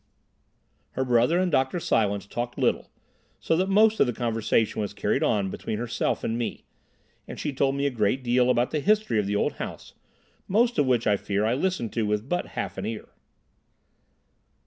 Her brother and Dr. Silence talked little, so that most of the conversation was carried on between herself and me, and she told me a great deal about the history of the old house, most of which I fear I listened to with but half an ear.